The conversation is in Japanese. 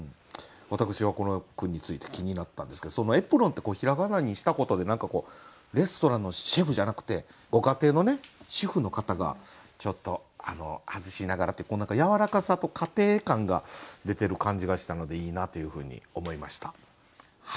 私はこの句について気になったんですけど「えぷろん」って平仮名にしたことで何かこうレストランのシェフじゃなくてご家庭の主婦の方がちょっと外しながらっていう何かやわらかさと家庭感が出てる感じがしたのでいいなというふうに思いました。